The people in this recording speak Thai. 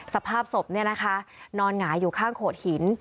สภาพศพเนี่ยนะคะนอนหงายอยู่ข้างโขดหิน